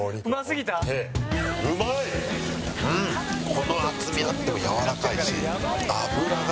この厚みあってもやわらかいし脂が上品。